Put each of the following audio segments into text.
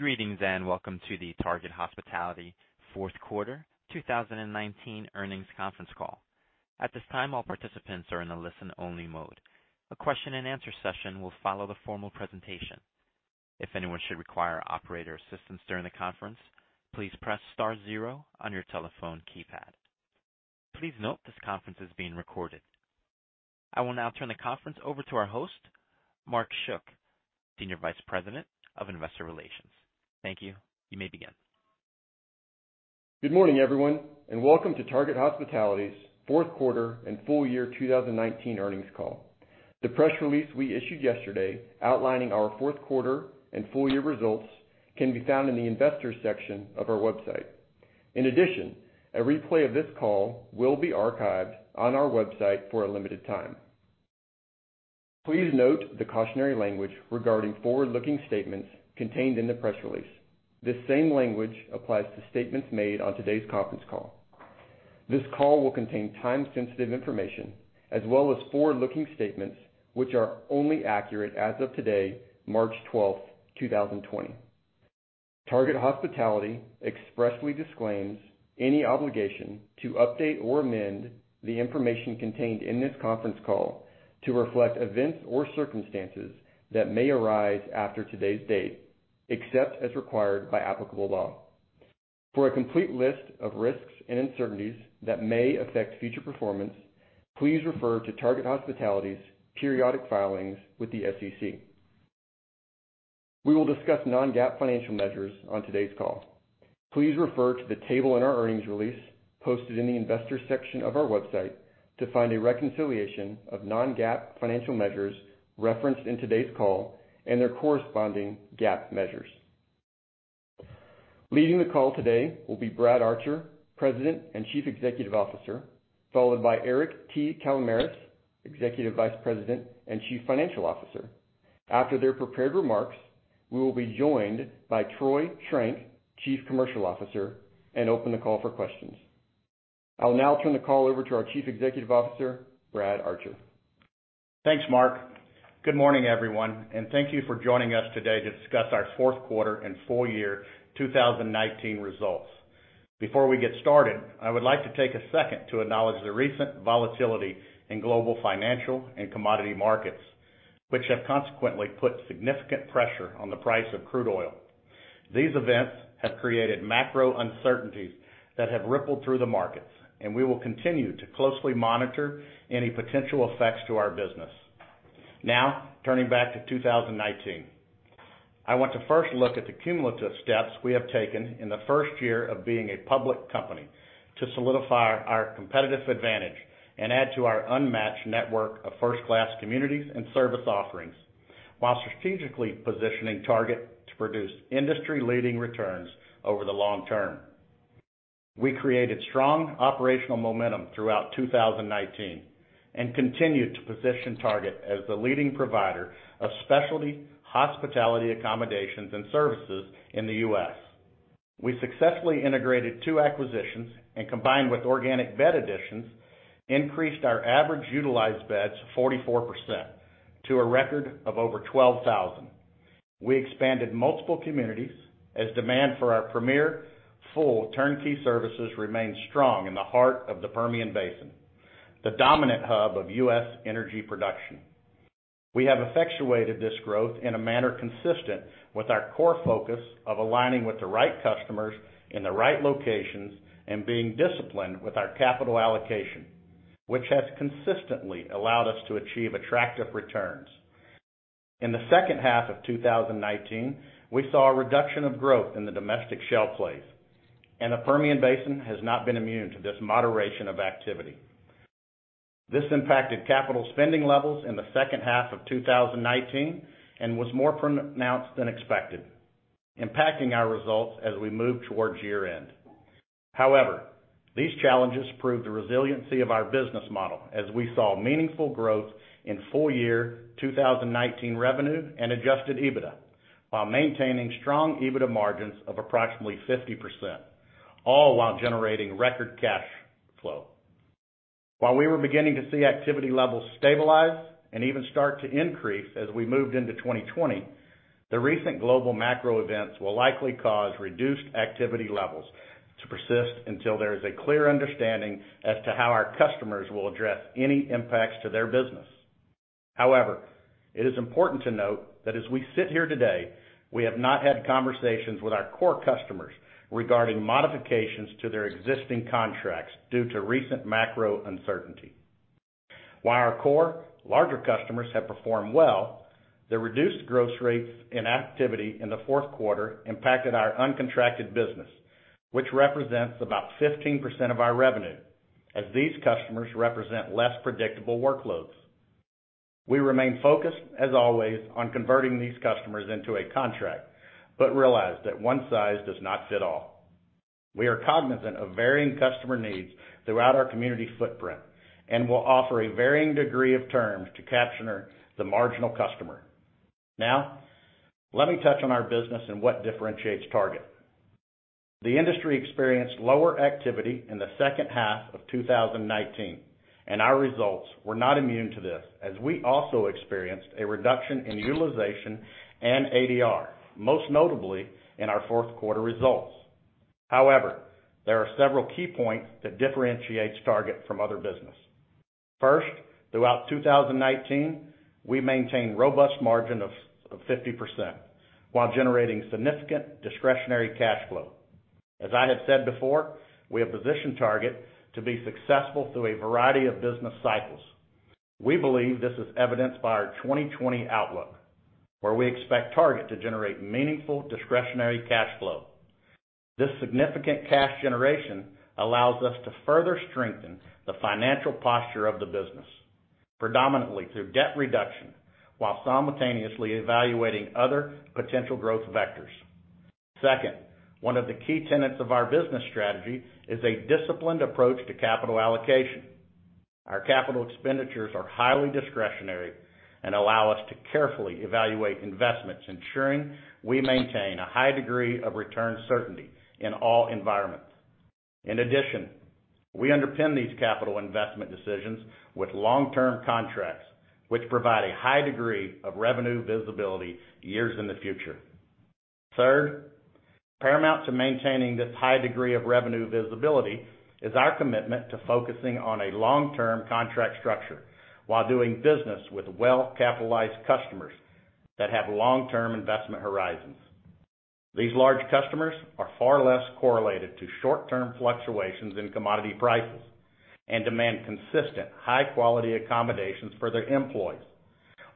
Greetings and welcome to the Target Hospitality fourth quarter 2019 earnings conference call. At this time, all participants are in a listen-only mode. A question and answer session will follow the formal presentation. If anyone should require operator assistance during the conference, please press star zero on your telephone keypad. Please note this conference is being recorded. I will now turn the conference over to our host, Mark Schuck, Senior Vice President of Investor Relations. Thank you. You may begin. Good morning, everyone, and welcome to Target Hospitality's fourth quarter and full year 2019 earnings call. The press release we issued yesterday outlining our fourth quarter and full year results can be found in the investors section of our website. In addition, a replay of this call will be archived on our website for a limited time. Please note the cautionary language regarding forward-looking statements contained in the press release. This same language applies to statements made on today's conference call. This call will contain time-sensitive information, as well as forward-looking statements, which are only accurate as of today, March 12th, 2020. Target Hospitality expressly disclaims any obligation to update or amend the information contained in this conference call to reflect events or circumstances that may arise after today's date, except as required by applicable law. For a complete list of risks and uncertainties that may affect future performance, please refer to Target Hospitality's periodic filings with the SEC. We will discuss non-GAAP financial measures on today's call. Please refer to the table in our earnings release, posted in the investors section of our website, to find a reconciliation of non-GAAP financial measures referenced in today's call and their corresponding GAAP measures. Leading the call today will be Brad Archer, President and Chief Executive Officer, followed by Eric T. Kalamaras, Executive Vice President and Chief Financial Officer. After their prepared remarks, we will be joined by Troy Schrenk, Chief Commercial Officer, and open the call for questions. I'll now turn the call over to our Chief Executive Officer, Brad Archer. Thanks, Mark. Good morning, everyone, and thank you for joining us today to discuss our fourth quarter and full year 2019 results. Before we get started, I would like to take a second to acknowledge the recent volatility in global financial and commodity markets, which have consequently put significant pressure on the price of crude oil. These events have created macro uncertainties that have rippled through the markets, and we will continue to closely monitor any potential effects to our business. Now, turning back to 2019. I want to first look at the cumulative steps we have taken in the first year of being a public company to solidify our competitive advantage and add to our unmatched network of first-class communities and service offerings, while strategically positioning Target to produce industry-leading returns over the long term. We created strong operational momentum throughout 2019 and continued to position Target as the leading provider of specialty hospitality accommodations and services in the U.S. We successfully integrated two acquisitions, and combined with organic bed additions, increased our average utilized beds 44%, to a record of over 12,000. We expanded multiple communities as demand for our premier full turnkey services remained strong in the heart of the Permian Basin, the dominant hub of U.S. energy production. We have effectuated this growth in a manner consistent with our core focus of aligning with the right customers in the right locations and being disciplined with our capital allocation, which has consistently allowed us to achieve attractive returns. In the second half of 2019, we saw a reduction of growth in the domestic shale plays, and the Permian Basin has not been immune to this moderation of activity. This impacted capital spending levels in the second half of 2019 and was more pronounced than expected, impacting our results as we moved towards year-end. However, these challenges proved the resiliency of our business model as we saw meaningful growth in full year 2019 revenue and adjusted EBITDA, while maintaining strong EBITDA margins of approximately 50%, all while generating record cash flow. While we were beginning to see activity levels stabilize and even start to increase as we moved into 2020, the recent global macro events will likely cause reduced activity levels to persist until there is a clear understanding as to how our customers will address any impacts to their business. However, it is important to note that as we sit here today, we have not had conversations with our core customers regarding modifications to their existing contracts due to recent macro uncertainty. While our core larger customers have performed well, the reduced gross rates and activity in the fourth quarter impacted our uncontracted business, which represents about 15% of our revenue, as these customers represent less predictable workloads. We remain focused, as always, on converting these customers into a contract, but realize that one size does not fit all. We are cognizant of varying customer needs throughout our community footprint and will offer a varying degree of terms to capture the marginal customer. Let me touch on our business and what differentiates Target. The industry experienced lower activity in the second half of 2019, and our results were not immune to this, as we also experienced a reduction in utilization and ADR, most notably in our fourth quarter results. There are several key points that differentiates Target from other business. First, throughout 2019, we maintained robust margin of 50% while generating significant discretionary cash flow. As I have said before, we have positioned Target to be successful through a variety of business cycles. We believe this is evidenced by our 2020 outlook, where we expect Target to generate meaningful discretionary cash flow. This significant cash generation allows us to further strengthen the financial posture of the business, predominantly through debt reduction, while simultaneously evaluating other potential growth vectors. Second, one of the key tenets of our business strategy is a disciplined approach to capital allocation. Our capital expenditures are highly discretionary and allow us to carefully evaluate investments, ensuring we maintain a high degree of return certainty in all environments. We underpin these capital investment decisions with long-term contracts, which provide a high degree of revenue visibility years in the future. Third, paramount to maintaining this high degree of revenue visibility is our commitment to focusing on a long-term contract structure while doing business with well-capitalized customers that have long-term investment horizons. These large customers are far less correlated to short-term fluctuations in commodity prices and demand consistent, high-quality accommodations for their employees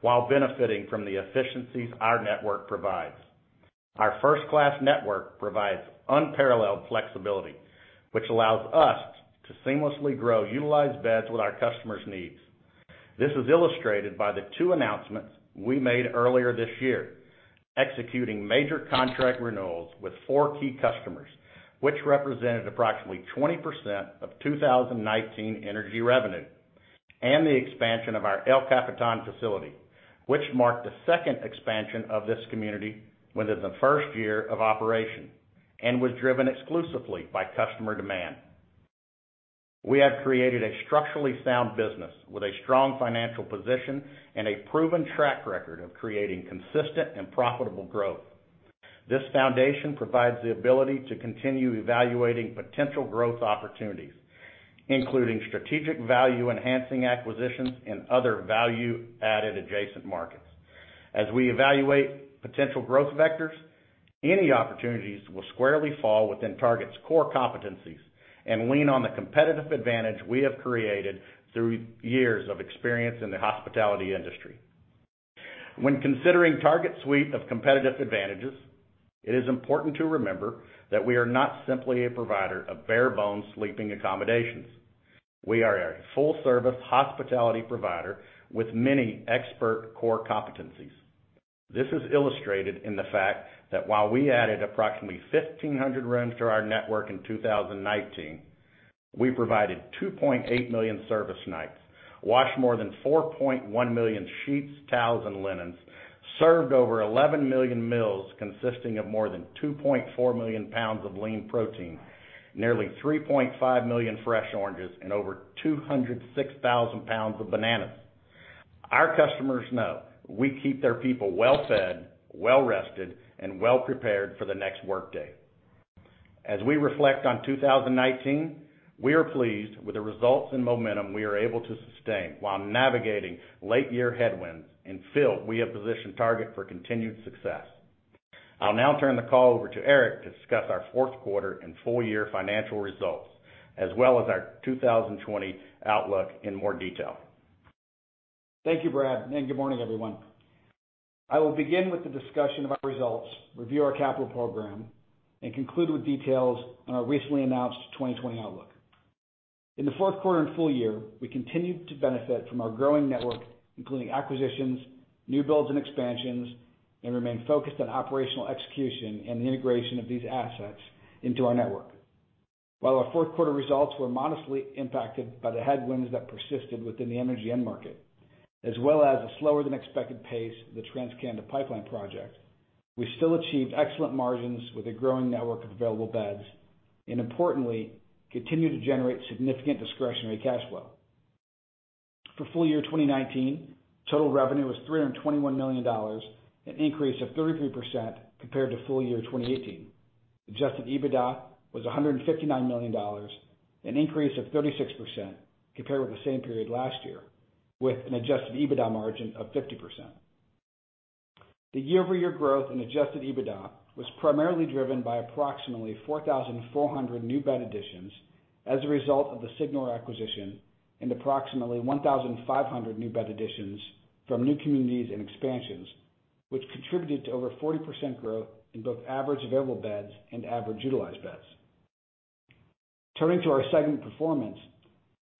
while benefiting from the efficiencies our network provides. Our first-class network provides unparalleled flexibility, which allows us to seamlessly grow utilized beds with our customers' needs. This is illustrated by the two announcements we made earlier this year, executing major contract renewals with four key customers, which represented approximately 20% of 2019 energy revenue, and the expansion of our El Capitan facility, which marked the second expansion of this community within the first year of operation and was driven exclusively by customer demand. We have created a structurally sound business with a strong financial position and a proven track record of creating consistent and profitable growth. This foundation provides the ability to continue evaluating potential growth opportunities, including strategic value-enhancing acquisitions and other value-added adjacent markets. As we evaluate potential growth vectors, any opportunities will squarely fall within Target's core competencies and lean on the competitive advantage we have created through years of experience in the hospitality industry. When considering Target's suite of competitive advantages, it is important to remember that we are not simply a provider of bare bones sleeping accommodations. We are a full-service hospitality provider with many expert core competencies. This is illustrated in the fact that while we added approximately 1,500 rooms to our network in 2019, we provided 2.8 million service nights, washed more than 4.1 million sheets, towels, and linens, served over 11 million meals consisting of more than 2.4 million pounds of lean protein, nearly 3.5 million fresh oranges, and over 206,000 pounds of bananas. Our customers know we keep their people well-fed, well-rested, and well-prepared for the next workday. As we reflect on 2019, we are pleased with the results and momentum we are able to sustain while navigating late year headwinds and feel we have positioned Target for continued success. I'll now turn the call over to Eric to discuss our fourth quarter and full year financial results, as well as our 2020 outlook in more detail. Thank you, Brad. Good morning, everyone. I will begin with the discussion of our results, review our capital program, and conclude with details on our recently announced 2020 outlook. In the fourth quarter and full year, we continued to benefit from our growing network, including acquisitions, new builds, and expansions, and remain focused on operational execution and the integration of these assets into our network. While our fourth quarter results were modestly impacted by the headwinds that persisted within the energy end market, as well as a slower than expected pace of the TransCanada pipeline project, we still achieved excellent margins with a growing network of available beds, and importantly, continued to generate significant discretionary cash flow. For full year 2019, total revenue was $321 million, an increase of 33% compared to full year 2018. Adjusted EBITDA was $159 million, an increase of 36% compared with the same period last year, with an adjusted EBITDA margin of 50%. The year-over-year growth in adjusted EBITDA was primarily driven by approximately 4,400 new bed additions as a result of the Signor acquisition and approximately 1,500 new bed additions from new communities and expansions, which contributed to over 40% growth in both average available beds and average utilized beds. Turning to our segment performance,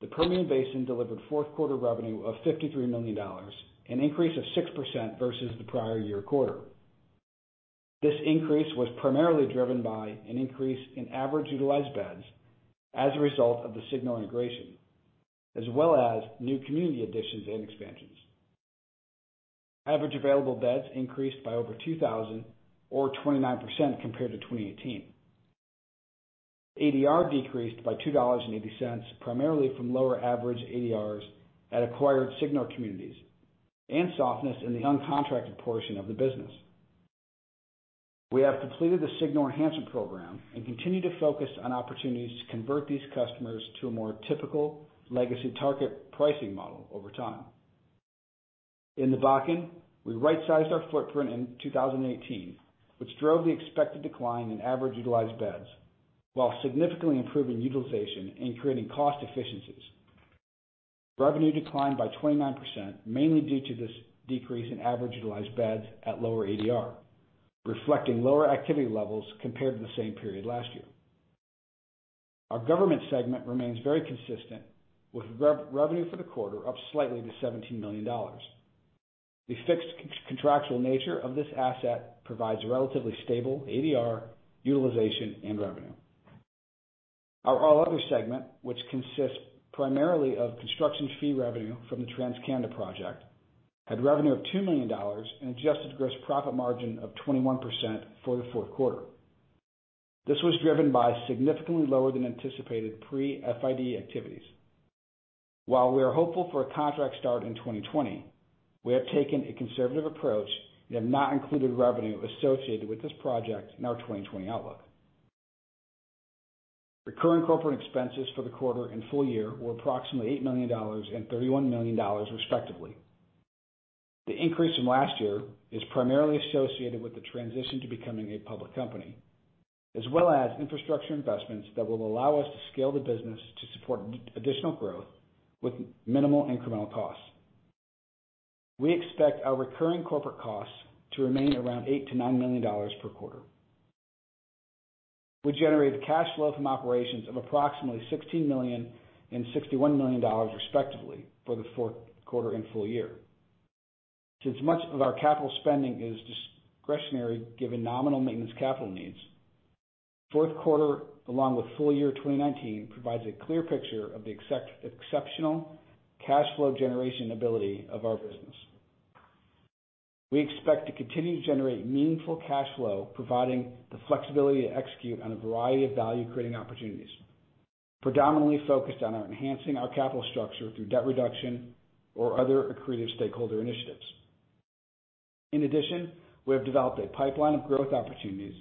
the Permian Basin delivered fourth quarter revenue of $53 million, an increase of 6% versus the prior year quarter. This increase was primarily driven by an increase in average utilized beds as a result of the Signor integration, as well as new community additions and expansions. Average available beds increased by over 2,000 or 29% compared to 2018. ADR decreased by $2.80, primarily from lower average ADRs at acquired Signor communities and softness in the uncontracted portion of the business. We have completed the Signor enhancement program and continue to focus on opportunities to convert these customers to a more typical legacy Target pricing model over time. In the Bakken, we right-sized our footprint in 2018, which drove the expected decline in average utilized beds while significantly improving utilization and creating cost efficiencies. Revenue declined by 29%, mainly due to this decrease in average utilized beds at lower ADR, reflecting lower activity levels compared to the same period last year. Our government segment remains very consistent with revenue for the quarter up slightly to $17 million. The fixed contractual nature of this asset provides a relatively stable ADR, utilization, and revenue. Our All Other Segment, which consists primarily of construction fee revenue from the TransCanada project, had revenue of $2 million and adjusted gross profit margin of 21% for the fourth quarter. This was driven by significantly lower than anticipated pre-FID activities. While we are hopeful for a contract start in 2020, we have taken a conservative approach and have not included revenue associated with this project in our 2020 outlook. Recurring corporate expenses for the quarter and full year were approximately $8 million and $31 million, respectively. The increase from last year is primarily associated with the transition to becoming a public company, as well as infrastructure investments that will allow us to scale the business to support additional growth with minimal incremental costs. We expect our recurring corporate costs to remain around $8 million-$9 million per quarter. We generated cash flow from operations of approximately $16 million and $61 million, respectively, for the fourth quarter and full year. Since much of our capital spending is discretionary, given nominal maintenance capital needs, fourth quarter, along with full year 2019, provides a clear picture of the exceptional cash flow generation ability of our business. We expect to continue to generate meaningful cash flow, providing the flexibility to execute on a variety of value-creating opportunities, predominantly focused on enhancing our capital structure through debt reduction or other accretive stakeholder initiatives. In addition, we have developed a pipeline of growth opportunities,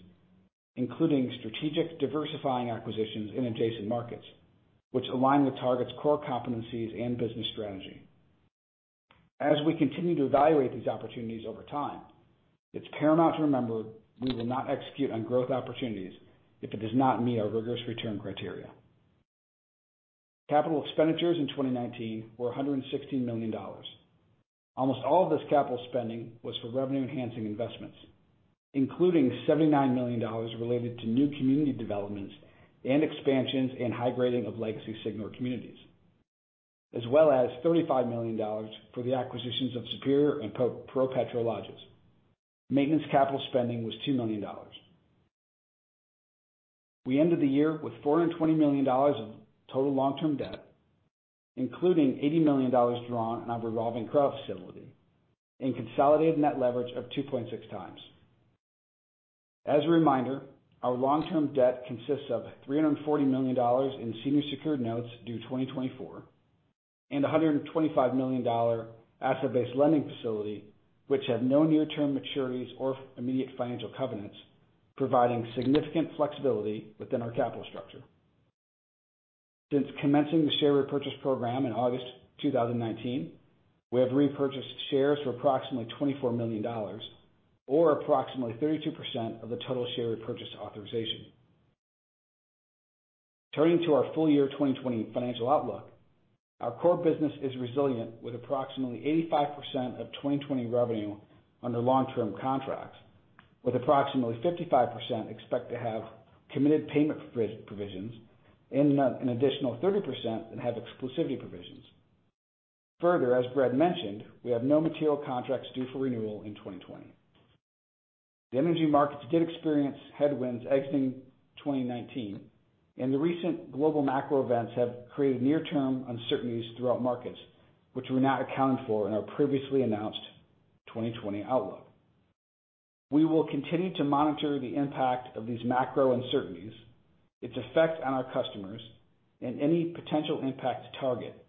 including strategic diversifying acquisitions in adjacent markets which align with Target's core competencies and business strategy. As we continue to evaluate these opportunities over time, it's paramount to remember we will not execute on growth opportunities if it does not meet our rigorous return criteria. Capital expenditures in 2019 were $116 million. Almost all of this capital spending was for revenue-enhancing investments, including $79 million related to new community developments and expansions in high-grading of legacy Signor communities, as well as $35 million for the acquisitions of Superior and ProPetro lodges. Maintenance capital spending was $2 million. We ended the year with $420 million of total long-term debt, including $80 million drawn on a revolving credit facility and consolidated net leverage of 2.6x. As a reminder, our long-term debt consists of $340 million in senior secured notes due 2024 and a $125 million asset-based lending facility, which have no near-term maturities or immediate financial covenants, providing significant flexibility within our capital structure. Since commencing the share repurchase program in August 2019, we have repurchased shares for approximately $24 million, or approximately 32% of the total share repurchase authorization. Turning to our full year 2020 financial outlook. Our core business is resilient with approximately 85% of 2020 revenue under long-term contracts, with approximately 55% expect to have committed payment provisions and an additional 30% that have exclusivity provisions. Further, as Brad mentioned, we have no material contracts due for renewal in 2020. The energy markets did experience headwinds exiting 2019, and the recent global macro events have created near-term uncertainties throughout markets which we're not accounting for in our previously announced 2020 outlook. We will continue to monitor the impact of these macro uncertainties, its effect on our customers, and any potential impact to Target,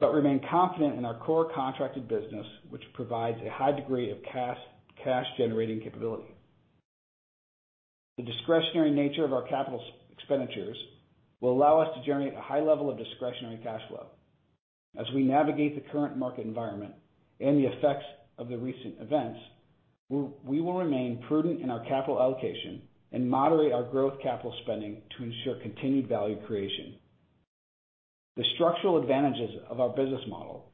remain confident in our core contracted business, which provides a high degree of cash-generating capability. The discretionary nature of our capital expenditures will allow us to generate a high level of discretionary cash flow. As we navigate the current market environment and the effects of the recent events, we will remain prudent in our capital allocation and moderate our growth capital spending to ensure continued value creation. The structural advantages of our business model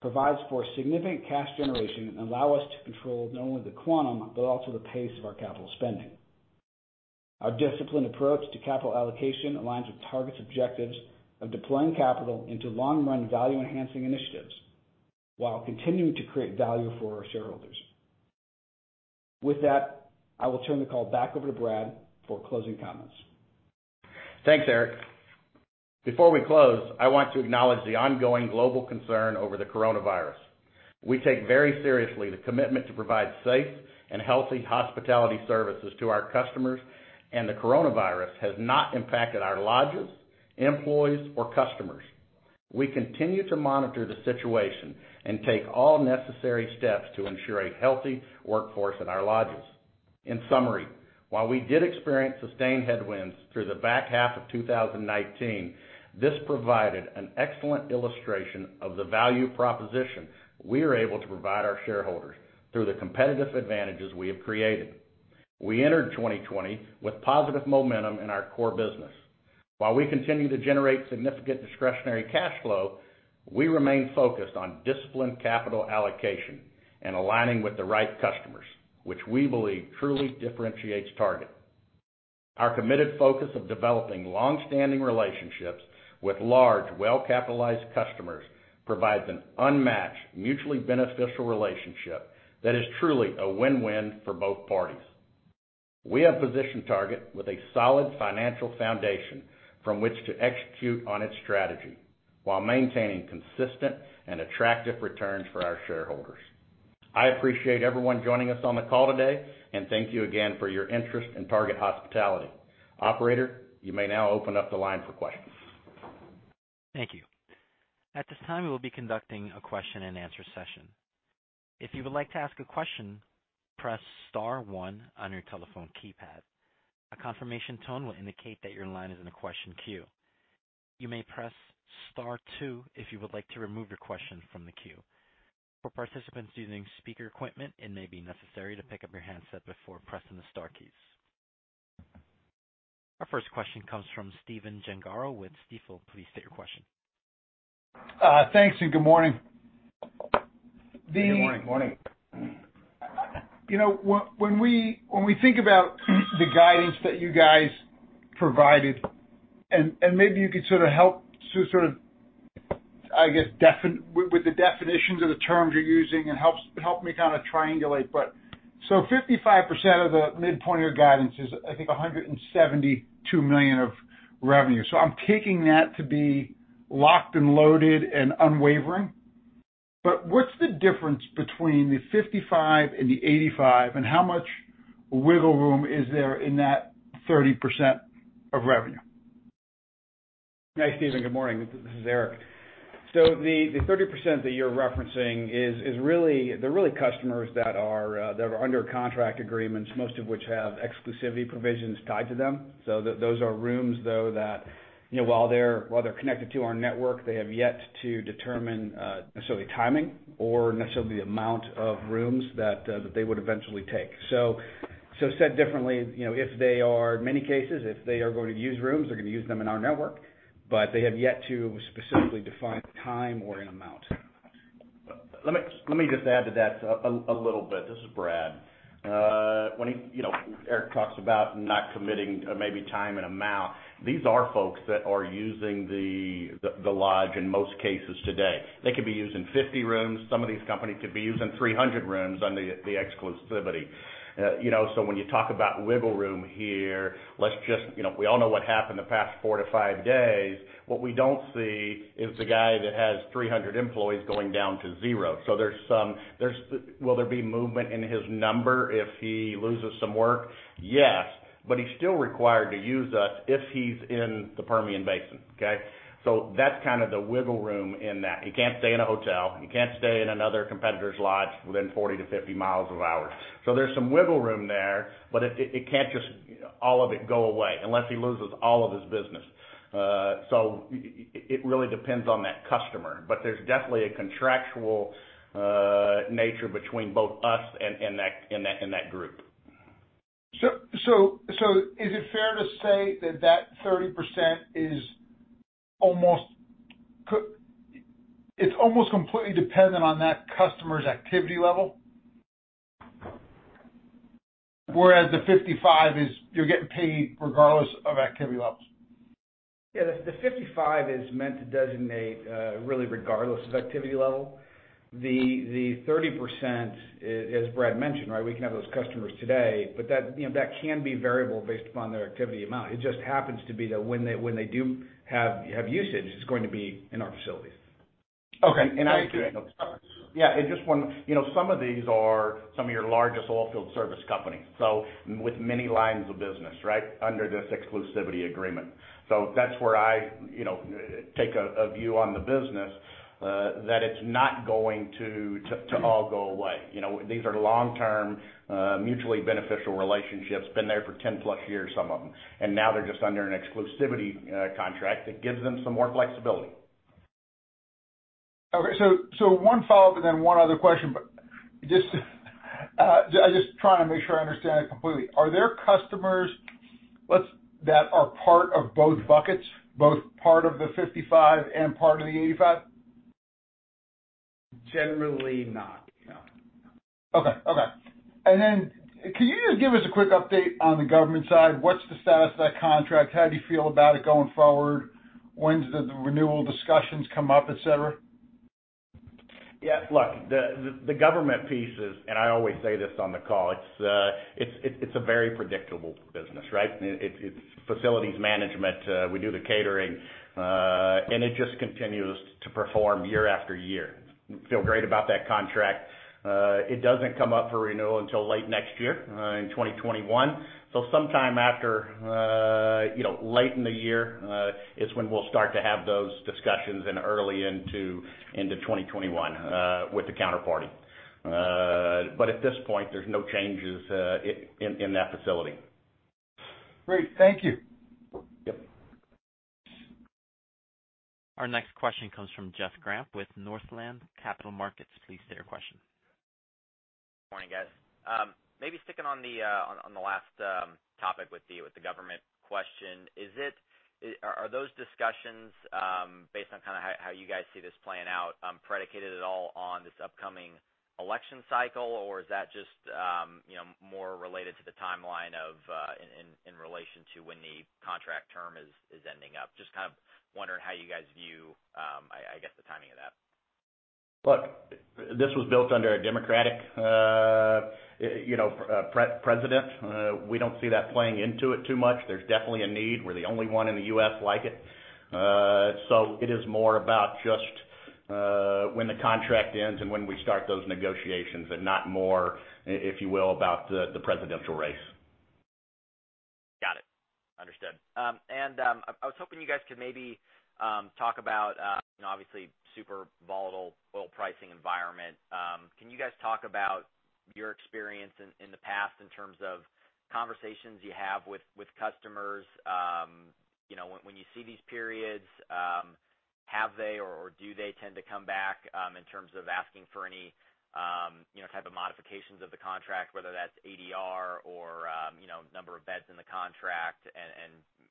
provides for significant cash generation and allow us to control not only the quantum, but also the pace of our capital spending. Our disciplined approach to capital allocation aligns with Target's objectives of deploying capital into long run value enhancing initiatives while continuing to create value for our shareholders. With that, I will turn the call back over to Brad for closing comments. Thanks, Eric. Before we close, I want to acknowledge the ongoing global concern over the coronavirus. We take very seriously the commitment to provide safe and healthy hospitality services to our customers, and the coronavirus has not impacted our lodges, employees, or customers. We continue to monitor the situation and take all necessary steps to ensure a healthy workforce at our lodges. In summary, while we did experience sustained headwinds through the back half of 2019, this provided an excellent illustration of the value proposition we are able to provide our shareholders through the competitive advantages we have created. We entered 2020 with positive momentum in our core business. While we continue to generate significant discretionary cash flow, we remain focused on disciplined capital allocation and aligning with the right customers, which we believe truly differentiates Target. Our committed focus of developing long-standing relationships with large, well-capitalized customers provides an unmatched, mutually beneficial relationship that is truly a win-win for both parties. We have positioned Target with a solid financial foundation from which to execute on its strategy while maintaining consistent and attractive returns for our shareholders. I appreciate everyone joining us on the call today, and thank you again for your interest in Target Hospitality. Operator, you may now open up the line for questions. Thank you. At this time, we will be conducting a question and answer session. If you would like to ask a question, press star one on your telephone keypad. A confirmation tone will indicate that your line is in the question queue. You may press star two if you would like to remove your question from the queue. For participants using speaker equipment, it may be necessary to pick up your handset before pressing the star keys. Our first question comes from Stephen Gengaro with Stifel. Please state your question. Thanks, and good morning. Good morning. Morning. When we think about the guidance that you guys provided, and maybe you could help, I guess, with the definitions of the terms you're using and help me kind of triangulate. 55% of the midpoint of your guidance is, I think, $172 million of revenue. I'm taking that to be locked and loaded and unwavering. What's the difference between the 55% and the 85%, and how much wiggle room is there in that 30% of revenue? Hi, Stephen, good morning. This is Eric. The 30% that you're referencing, they're really customers that are under contract agreements, most of which have exclusivity provisions tied to them. Those are rooms, though, that while they're connected to our network, they have yet to determine necessarily timing or necessarily the amount of rooms that they would eventually take. Said differently, in many cases, if they are going to use rooms, they're going to use them in our network, but they have yet to specifically define the time or an amount. Let me just add to that a little bit. This is Brad. When Eric talks about not committing maybe time and amount, these are folks that are using the lodge in most cases today. They could be using 50 rooms. Some of these companies could be using 300 rooms under the exclusivity. When you talk about wiggle room here, we all know what happened the past four to five days. What we don't see is the guy that has 300 employees going down to zero. Will there be movement in his number if he loses some work? Yes, but he's still required to use us if he's in the Permian Basin. Okay? That's kind of the wiggle room in that. He can't stay in a hotel. He can't stay in another competitor's lodge within 40 mi-50 mi of ours. There's some wiggle room there, but it can't just all of it go away unless he loses all of his business. It really depends on that customer, but there's definitely a contractual nature between both us and that group. Is it fair to say that that 30% is almost completely dependent on that customer's activity level? Whereas the 55% is you're getting paid regardless of activity levels. Yeah. The 55% is meant to designate really regardless of activity level. The 30%, as Brad mentioned, we can have those customers today, but that can be variable based upon their activity amount. It just happens to be that when they do have usage, it's going to be in our facilities. Okay. Thank you. Yeah. Some of these are some of your largest oil field service companies, so with many lines of business under this exclusivity agreement. That's where I take a view on the business, that it's not going to all go away. These are long-term, mutually beneficial relationships, been there for 10+ years, some of them, and now they're just under an exclusivity contract that gives them some more flexibility. Okay. One follow-up and then one other question, but I'm just trying to make sure I understand it completely. Are there customers that are part of both buckets, both part of the 55% and part of the 85%? Generally not. No. Okay. Can you just give us a quick update on the government side? What's the status of that contract? How do you feel about it going forward? When do the renewal discussions come up, et cetera? Yeah. Look, the government piece is, and I always say this on the call, it's a very predictable business, right? It's facilities management. We do the catering. It just continues to perform year after year. Feel great about that contract. It doesn't come up for renewal until late next year, in 2021. Sometime after late in the year, is when we'll start to have those discussions, and early into 2021, with the counterparty. At this point, there's no changes in that facility. Great. Thank you. Yep. Our next question comes from Jeff Grampp with Northland Capital Markets. Please state your question. Morning, guys. Maybe sticking on the last topic with the government question. Are those discussions, based on how you guys see this playing out, predicated at all on this upcoming election cycle, or is that just more related to the timeline in relation to when the contract term is ending up? Just kind of wondering how you guys view, I guess, the timing of that. This was built under a Democratic president. We don't see that playing into it too much. There's definitely a need. We're the only one in the U.S. like it. It is more about just when the contract ends and when we start those negotiations and not more, if you will, about the presidential race. Got it. Understood. I was hoping you guys could maybe talk about, obviously, super volatile oil pricing environment. Can you guys talk about your experience in the past in terms of conversations you have with customers? When you see these periods, have they or do they tend to come back, in terms of asking for any type of modifications of the contract, whether that's ADR or number of beds in the contract?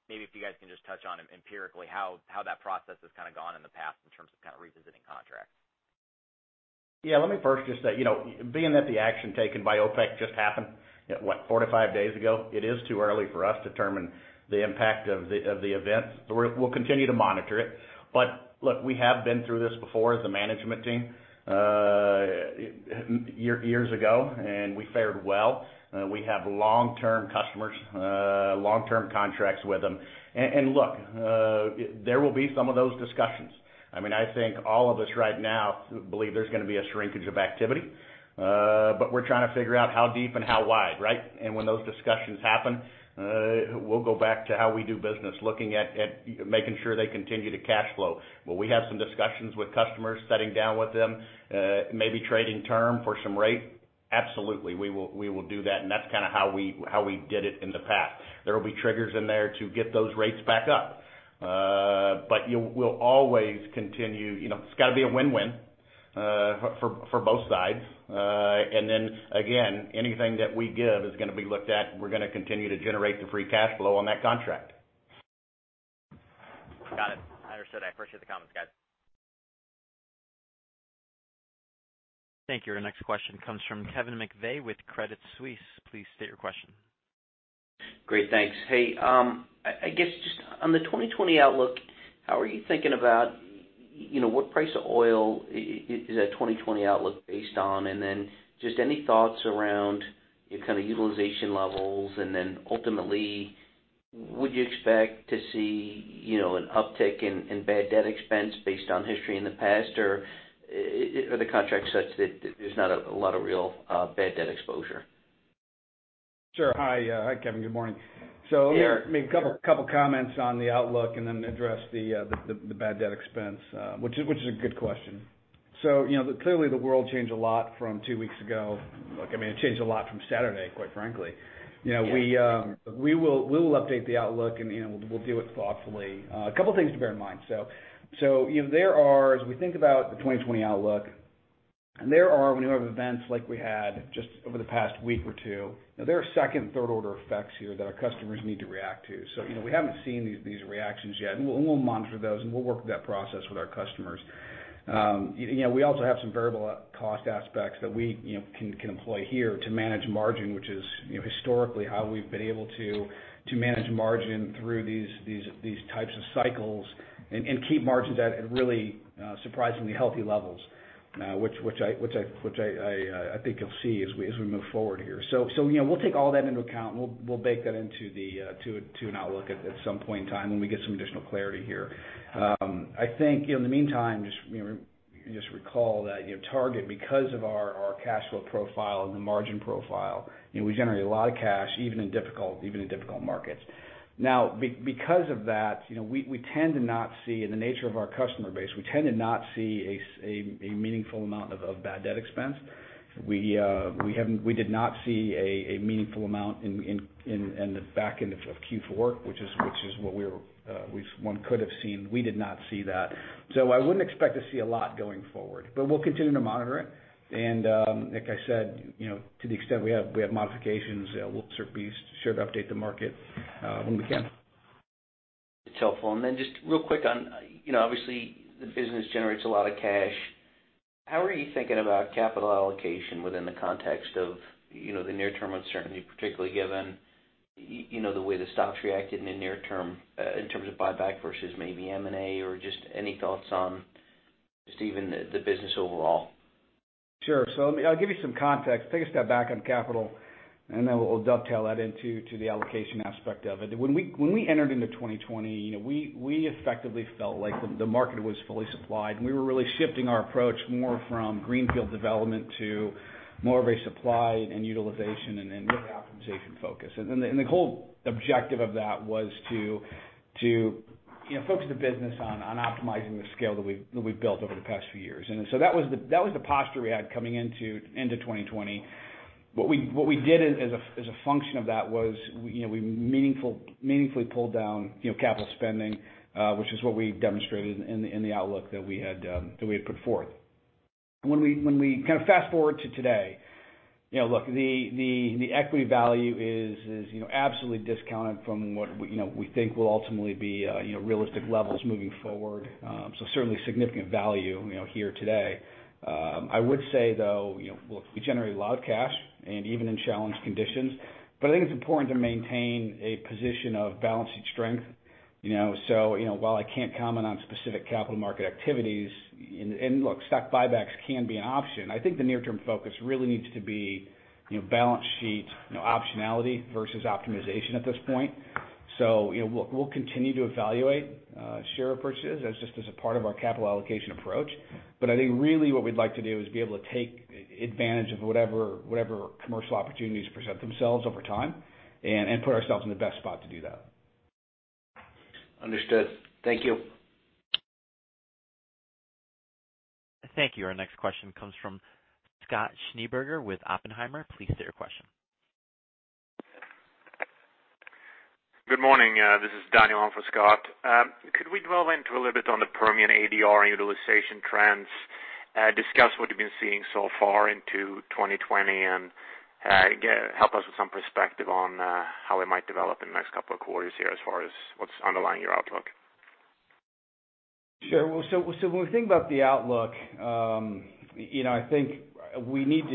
Maybe if you guys can just touch on empirically how that process has gone in the past in terms of revisiting contracts. Yeah, let me first just say, being that the action taken by OPEC just happened four or five days ago, it is too early for us to determine the impact of the event. We'll continue to monitor it. Look, we have been through this before as a management team years ago, and we fared well. We have long-term customers, long-term contracts with them. Look, there will be some of those discussions. I think all of us right now believe there's going to be a shrinkage of activity. We're trying to figure out how deep and how wide, right? When those discussions happen, we'll go back to how we do business, looking at making sure they continue to cash flow. Will we have some discussions with customers, sitting down with them, maybe trading term for some rate? Absolutely, we will do that. That's kind of how we did it in the past. There will be triggers in there to get those rates back up. It's got to be a win-win for both sides. Again, anything that we give is going to be looked at, and we're going to continue to generate the free cash flow on that contract. Got it. Understood. I appreciate the comments, guys. Thank you. Our next question comes from Kevin McVeigh with Credit Suisse. Please state your question. Great, thanks. Hey, I guess just on the 2020 outlook, how are you thinking about what price of oil is that 2020 outlook based on? Then just any thoughts around kind of utilization levels, and then ultimately, would you expect to see an uptick in bad debt expense based on history in the past? Or are the contracts such that there's not a lot of real bad debt exposure? Sure. Hi, Kevin. Good morning. Yeah. Let me make a couple comments on the outlook and then address the bad debt expense, which is a good question. Clearly the world changed a lot from two weeks ago. Look, it changed a lot from Saturday, quite frankly. Yeah. We will update the outlook, and we'll do it thoughtfully. A couple things to bear in mind. As we think about the 2020 outlook, when you have events like we had just over the past week or two, there are second and third order effects here that our customers need to react to. We haven't seen these reactions yet, and we'll monitor those, and we'll work that process with our customers. We also have some variable cost aspects that we can employ here to manage margin, which is historically how we've been able to manage margin through these types of cycles and keep margins at really surprisingly healthy levels. Which I think you'll see as we move forward here. We'll take all that into account, and we'll bake that into an outlook at some point in time when we get some additional clarity here. I think in the meantime, just recall that Target, because of our cash flow profile and the margin profile, we generate a lot of cash even in difficult markets. Because of that, and the nature of our customer base, we tend to not see a meaningful amount of bad debt expense. We did not see a meaningful amount in the back end of Q4, which is what one could have seen. We did not see that. I wouldn't expect to see a lot going forward. We'll continue to monitor it. Like I said, to the extent we have modifications, we'll be sure to update the market when we can. It's helpful. Just real quick on, obviously the business generates a lot of cash. How are you thinking about capital allocation within the context of the near-term uncertainty, particularly given? The way the stock's reacted in the near term in terms of buyback versus maybe M&A or just any thoughts on just even the business overall? Sure. I'll give you some context. Take a step back on capital, we'll dovetail that into the allocation aspect of it. When we entered into 2020, we effectively felt like the market was fully supplied, we were really shifting our approach more from greenfield development to more of a supply and utilization and rig optimization focus. The whole objective of that was to focus the business on optimizing the scale that we've built over the past few years. That was the posture we had coming into 2020. What we did as a function of that was, we meaningfully pulled down capital spending, which is what we demonstrated in the outlook that we had put forth. When we kind of fast-forward to today, look, the equity value is absolutely discounted from what we think will ultimately be realistic levels moving forward. Certainly significant value here today. I would say, though, look, we generate a lot of cash and even in challenged conditions. I think it's important to maintain a position of balance sheet strength. While I can't comment on specific capital market activities, and look, stock buybacks can be an option, I think the near-term focus really needs to be balance sheet optionality versus optimization at this point. We'll continue to evaluate share purchases as just as a part of our capital allocation approach. I think really what we'd like to do is be able to take advantage of whatever commercial opportunities present themselves over time and put ourselves in the best spot to do that. Understood. Thank you. Thank you. Our next question comes from Scott Schneeberger with Oppenheimer. Please state your question. Good morning. This is Daniel on for Scott. Could we delve into a little bit on the Permian ADR utilization trends, discuss what you've been seeing so far into 2020, and help us with some perspective on how we might develop in the next couple of quarters here as far as what's underlying your outlook? Sure. When we think about the outlook, I think we need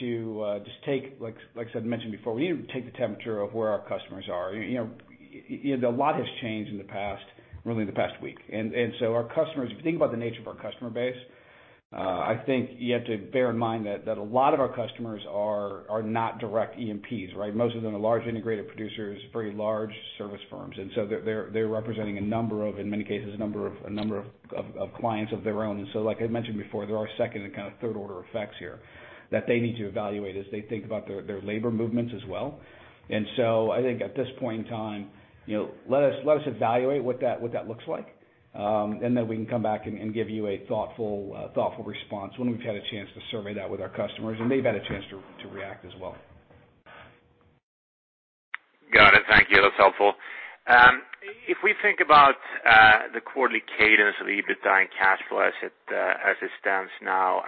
to just take, like as I mentioned before, we need to take the temperature of where our customers are. A lot has changed in the past, really in the past week. Our customers, if you think about the nature of our customer base, I think you have to bear in mind that a lot of our customers are not direct E&Ps, right? Most of them are large integrated producers, very large service firms. They're representing a number of, in many cases, a number of clients of their own. Like I mentioned before, there are second and kind of third order effects here that they need to evaluate as they think about their labor movements as well. I think at this point in time, let us evaluate what that looks like. We can come back and give you a thoughtful response when we've had a chance to survey that with our customers, and they've had a chance to react as well. Got it. Thank you. That's helpful. If we think about the quarterly cadence of the EBITDA and cash flow as it stands now,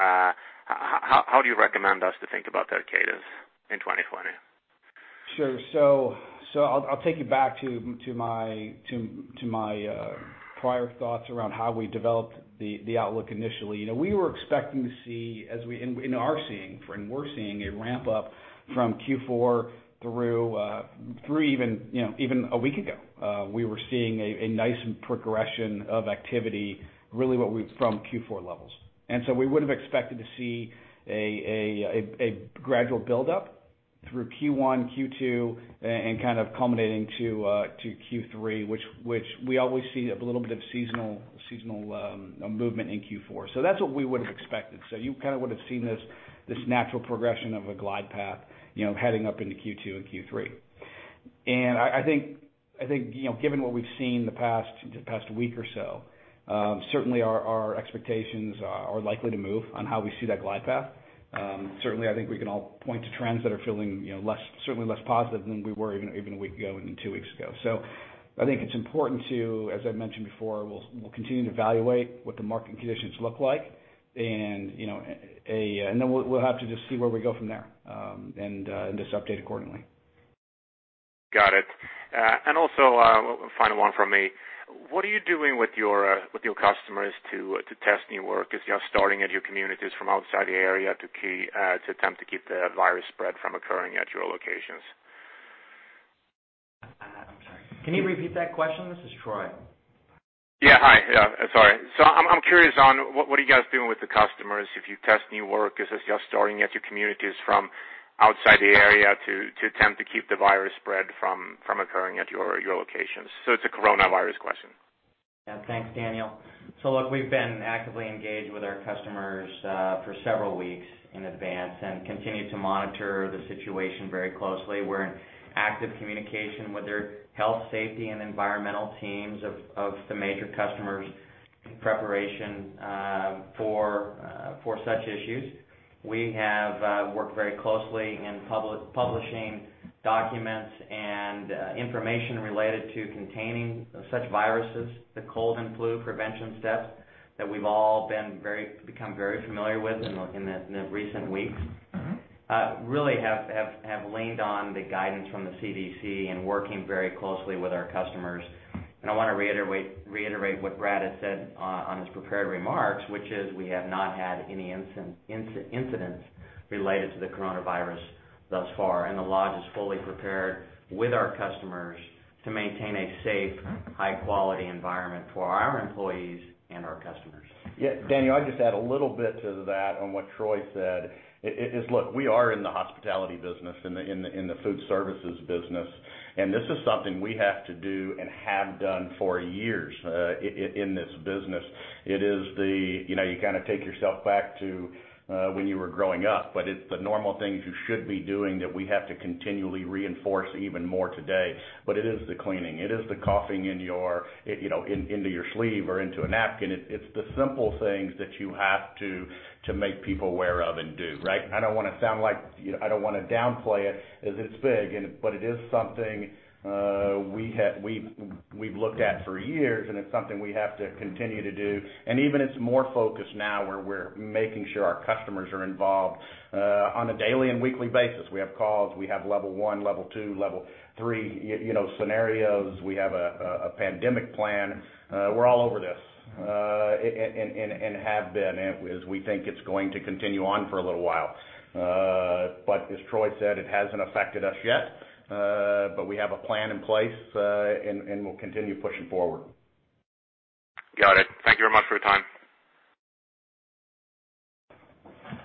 how do you recommend us to think about that cadence in 2020? Sure. I'll take you back to my prior thoughts around how we developed the outlook initially. We were expecting to see and are seeing, we're seeing a ramp-up from Q4 through even a week ago. We were seeing a nice progression of activity, really from Q4 levels. We would've expected to see a gradual buildup through Q1, Q2, and kind of culminating to Q3, which we always see a little bit of seasonal movement in Q4. That's what we would've expected. You kind of would've seen this natural progression of a glide path heading up into Q2 and Q3. I think, given what we've seen the past week or so, certainly our expectations are likely to move on how we see that glide path. Certainly, I think we can all point to trends that are feeling certainly less positive than we were even a week ago and two weeks ago. I think it's important to, as I mentioned before, we'll continue to evaluate what the market conditions look like. Then we'll have to just see where we go from there, and just update accordingly. Got it. Also, final one from me. What are you doing with your customers to test new workers who are starting at your communities from outside the area to attempt to keep the virus spread from occurring at your locations? I'm sorry. Can you repeat that question? This is Troy. Yeah. Hi. Yeah. Sorry. I'm curious on what are you guys doing with the customers if you test new workers as you're starting at your communities from outside the area to attempt to keep the virus spread from occurring at your locations? It's a coronavirus question. Yeah. Thanks, Daniel. Look, we've been actively engaged with our customers for several weeks in advance and continue to monitor the situation very closely. We're in active communication with their health, safety, and environmental teams of the major customers in preparation for such issues. We have worked very closely in publishing documents and information related to containing such viruses, the cold and flu prevention steps that we've all become very familiar with in the recent weeks. Really have leaned on the guidance from the CDC and working very closely with our customers. I want to reiterate what Brad had said on his prepared remarks, which is we have not had any incidents Related to the coronavirus thus far. The lodge is fully prepared with our customers to maintain a safe, high-quality environment for our employees and our customers. Yeah, Daniel, I'd just add a little bit to that on what Troy said, is, look, we are in the hospitality business, in the food services business, and this is something we have to do and have done for years in this business. You kind of take yourself back to when you were growing up, but it's the normal things you should be doing that we have to continually reinforce even more today. It is the cleaning, it is the coughing into your sleeve or into a napkin. It's the simple things that you have to make people aware of and do, right? I don't want to downplay it, as it's big, but it is something we've looked at for years, and it's something we have to continue to do. Even it's more focused now, where we're making sure our customers are involved on a daily and weekly basis. We have calls, we have level 1, level 2, level 3 scenarios. We have a pandemic plan. We're all over this, and have been, as we think it's going to continue on for a little while. As Troy said, it hasn't affected us yet. We have a plan in place, and we'll continue pushing forward. Got it. Thank you very much for your time.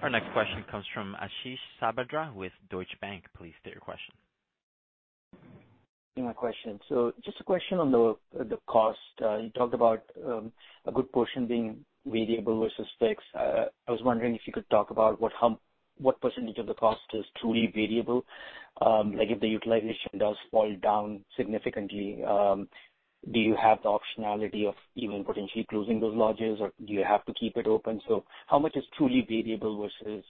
Our next question comes from Ashish Sabadra with Deutsche Bank. Please state your question. My question. Just a question on the cost. You talked about a good portion being variable versus fixed. I was wondering if you could talk about what percentage of the cost is truly variable. If the utilization does fall down significantly, do you have the optionality of even potentially closing those lodges, or do you have to keep it open? How much is truly variable versus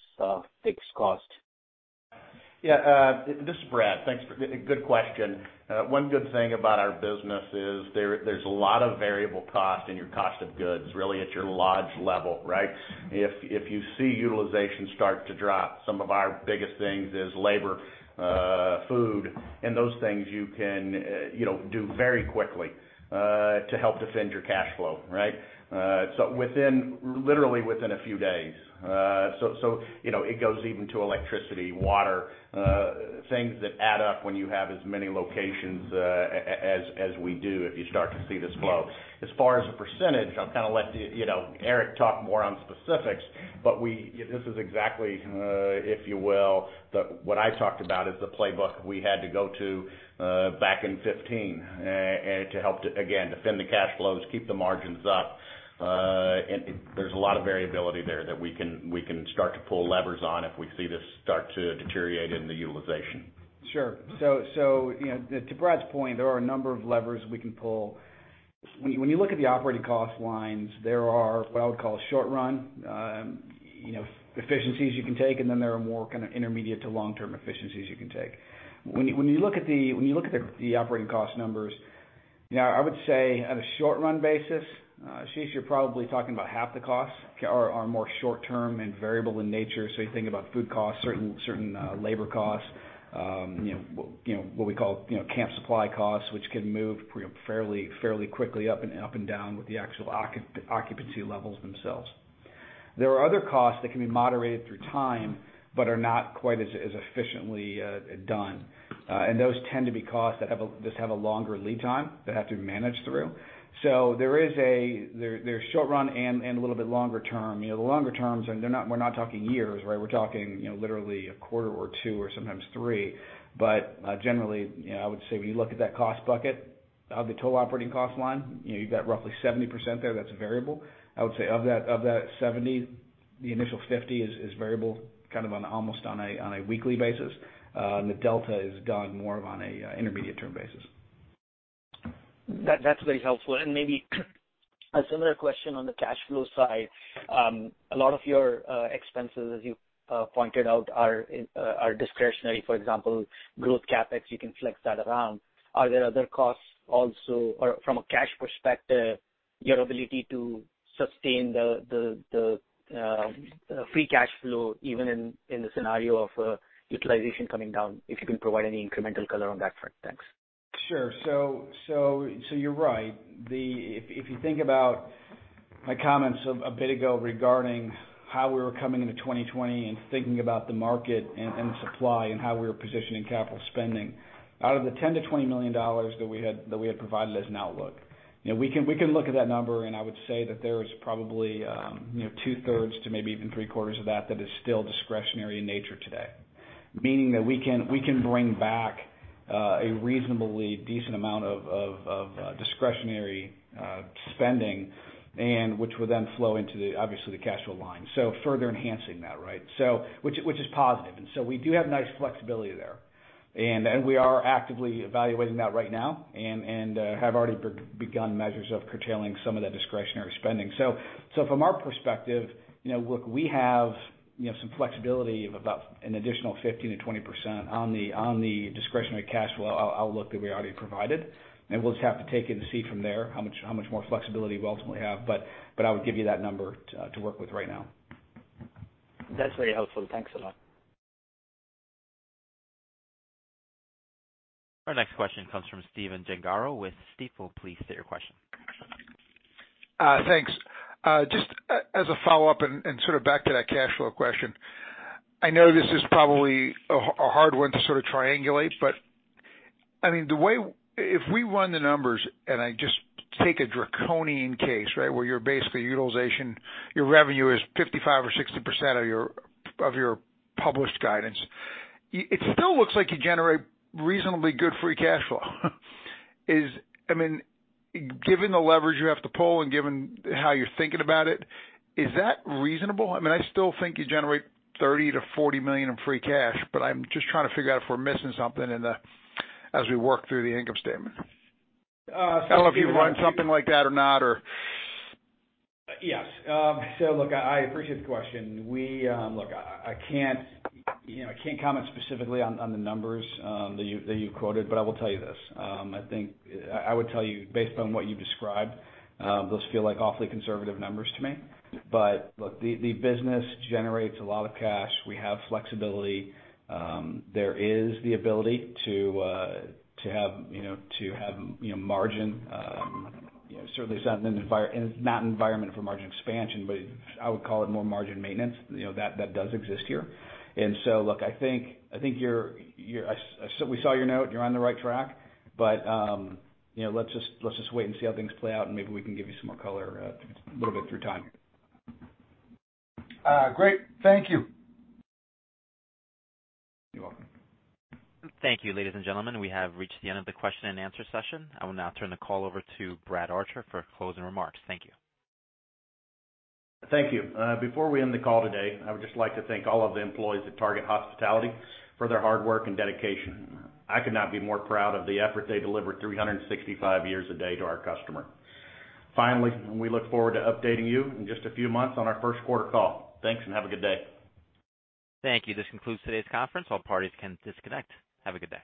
fixed cost? Yeah. This is Brad. Good question. One good thing about our business is there's a lot of variable cost in your cost of goods, really, at your lodge level, right? If you see utilization start to drop, some of our biggest things is labor, food, and those things you can do very quickly, to help defend your cash flow. Right? Literally within a few days. It goes even to electricity, water, things that add up when you have as many locations as we do, if you start to see this flow. As far as a percentage, I'll let Eric talk more on specifics, but this is exactly, if you will, what I talked about as the playbook we had to go to back in 2015, to help, again, defend the cash flows, keep the margins up. There's a lot of variability there that we can start to pull levers on if we see this start to deteriorate in the utilization. Sure. To Brad's point, there are a number of levers we can pull. When you look at the operating cost lines, there are what I would call short run efficiencies you can take, and then there are more intermediate to long-term efficiencies you can take. When you look at the operating cost numbers, I would say at a short-run basis, Ashish, you're probably talking about half the costs are more short-term and variable in nature. You think about food costs, certain labor costs, what we call camp supply costs, which can move fairly quickly up and down with the actual occupancy levels themselves. There are other costs that can be moderated through time, but are not quite as efficiently done. Those tend to be costs that have a longer lead time, that have to be managed through. There's short run and a little bit longer term. The longer terms, we're not talking years, right? We're talking literally a quarter or two or sometimes three. Generally, I would say when you look at that cost bucket of the total operating cost line, you've got roughly 70% there that's variable. I would say of that 70%, the initial 50% is variable on almost on a weekly basis. The delta is done more of on a intermediate term basis. That's very helpful. Maybe a similar question on the cash flow side. A lot of your expenses, as you pointed out, are discretionary. For example, growth CapEx, you can flex that around. Are there other costs also or from a cash perspective, your ability to sustain the free cash flow, even in the scenario of utilization coming down, if you can provide any incremental color on that front. Thanks. Sure. You're right. If you think about my comments a bit ago regarding how we were coming into 2020 and thinking about the market and supply and how we were positioning capital spending, out of the $10 million-$20 million that we had provided as an outlook, we can look at that number, and I would say that there is probably 2/3 to maybe even 3/4 of that that is still discretionary in nature today. Meaning that we can bring back a reasonably decent amount of discretionary spending, and which will then flow into, obviously, the cash flow line. Further enhancing that, right? Which is positive. We do have nice flexibility there. We are actively evaluating that right now and have already begun measures of curtailing some of that discretionary spending. From our perspective, look, we have some flexibility of about an additional 15%-20% on the discretionary cash flow outlook that we already provided. We'll just have to take it and see from there how much more flexibility we'll ultimately have. I would give you that number to work with right now. That's very helpful. Thanks a lot. Our next question comes from Stephen Gengaro with Stifel. Please state your question. Thanks. Just as a follow-up and sort of back to that cash flow question. I know this is probably a hard one to sort of triangulate, but if we run the numbers and I just take a draconian case, where your basically utilization, your revenue is 55% or 60% of your published guidance, it still looks like you generate reasonably good free cash flow. Given the leverage you have to pull and given how you're thinking about it, is that reasonable? I still think you generate $30 million-$40 million in free cash, but I'm just trying to figure out if we're missing something as we work through the income statement. I don't know if you've run something like that or not. Yes. Look, I appreciate the question. Look, I can't comment specifically on the numbers that you quoted, but I will tell you this. I would tell you, based on what you described, those feel like awfully conservative numbers to me. Look, the business generates a lot of cash. We have flexibility. There is the ability to have margin. Certainly it's not an environment for margin expansion, but I would call it more margin maintenance. That does exist here. Look, we saw your note, you're on the right track. Let's just wait and see how things play out and maybe we can give you some more color, a little bit through time. Great. Thank you. You're welcome. Thank you, ladies and gentlemen. We have reached the end of the question and answer session. I will now turn the call over to Brad Archer for closing remarks. Thank you. Thank you. Before we end the call today, I would just like to thank all of the employees at Target Hospitality for their hard work and dedication. I could not be more proud of the effort they deliver 365 days a year to our customer. Finally, we look forward to updating you in just a few months on our first quarter call. Thanks, and have a good day. Thank you. This concludes today's conference. All parties can disconnect. Have a good day.